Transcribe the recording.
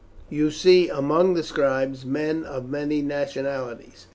You see among the scribes men of many nationalities.